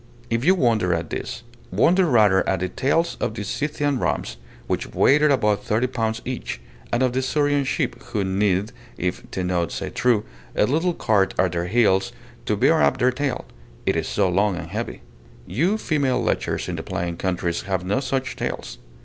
If you wonder at this, wonder rather at the tails of the Scythian rams, which weighed above thirty pounds each; and of the Surian sheep, who need, if Tenaud say true, a little cart at their heels to bear up their tail, it is so long and heavy. You female lechers in the plain countries have no such tails.